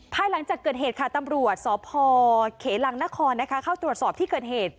หลังจากเกิดเหตุค่ะตำรวจสพเขลังนครเข้าตรวจสอบที่เกิดเหตุ